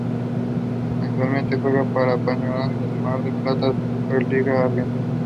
Actualmente juega para Peñarol de Mar del Plata la SuperLiga Argentina.